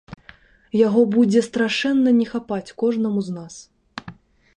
Яго будзе страшэнна не хапаць кожнаму з нас.